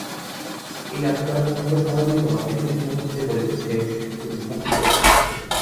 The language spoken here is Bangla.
এই আত্মার মুক্ত স্বভাবই তোমাকে প্রতি মুহূর্তে বলিতেছে, তুমি মুক্ত।